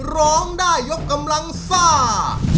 ร้องได้ยกกำลังซ่า